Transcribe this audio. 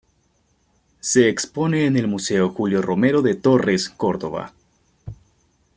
Se expone en el Museo Julio Romero de Torres, Córdoba.